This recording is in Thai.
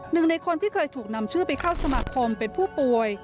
หนึ่งในคนที่เคยถูกนำชื่อไปเข้าสมาคมเป็นผู้ป่วย